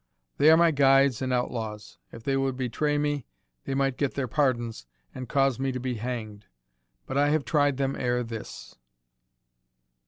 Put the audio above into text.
They are my guides and outlaws. If they would betray me they might get their pardons, and cause me to be hanged; but I have tried them ere this."